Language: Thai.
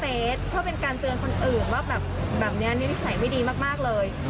เฟสเพื่อเป็นการเตือนคนอื่นว่าแบบแบบนี้นิสัยไม่ดีมากเลย